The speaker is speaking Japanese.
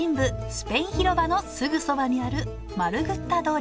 スペイン広場のすぐそばにあるマルグッタ通り